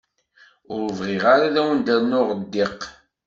Ur bɣiɣ ara ad wen-d-rnuɣ ddiq.